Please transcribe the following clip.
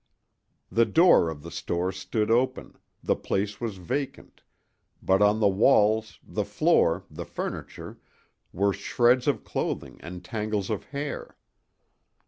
The door of the store stood open; the place was vacant, but on the walls, the floor, the furniture, were shreds of clothing and tangles of hair.